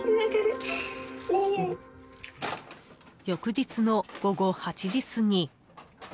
翌日の午後８時すぎ。